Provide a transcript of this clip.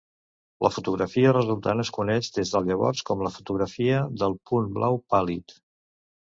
La fotografia resultant es coneix des de llavors com la fotografia del punt blau pàl·lid.